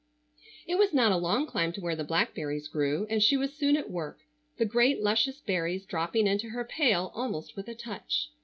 It was not a long climb to where the blackberries grew, and she was soon at work, the great luscious berries dropping into her pail almost with a touch.